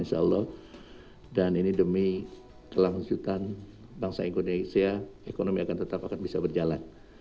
insya allah dan ini demi kelangsutan bangsa indonesia ekonomi akan tetap akan bisa berjalan